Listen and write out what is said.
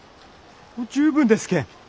もう十分ですけん。